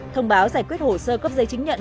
thông báo giải quyết hồ sơ cấp giấy chứng nhận